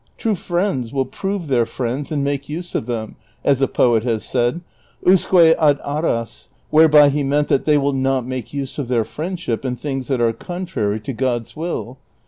True friends will prove their friends and make use of them, as a poet has said, usque ad aras ; whereby he meant that they will not make use of their friendship in things that are contrary to God's will.